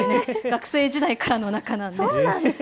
学生時代からの仲なんです。